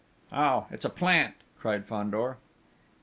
_" "Oh, it's a plant!" cried Fandor.